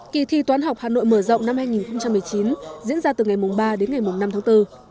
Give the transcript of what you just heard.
kỳ thi toán học hà nội mở rộng năm hai nghìn một mươi chín diễn ra từ ngày ba đến ngày năm tháng bốn